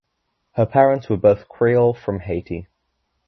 Her parents were both Creole from Haiti.